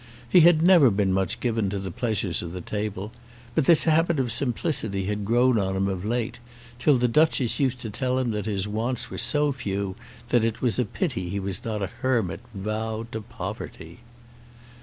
He had never been much given to the pleasures of the table; but this habit of simplicity had grown on him of late, till the Duchess used to tell him that his wants were so few that it was a pity he was not a hermit, vowed to poverty.